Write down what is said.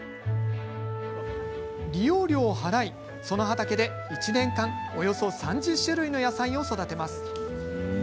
利用料を払い、その畑で１年間およそ３０種類の野菜を育てます。